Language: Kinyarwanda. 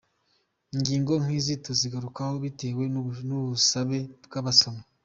Ingingo nkizi tuzigarukaho bitewe n’ubusabe bwabasomyi.